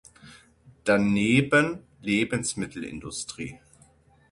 Daneben Lebensmittelindustrie.